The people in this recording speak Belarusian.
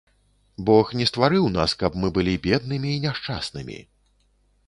Бог не стварыў нас, каб мы былі беднымі і няшчаснымі.